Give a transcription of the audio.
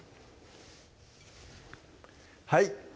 はい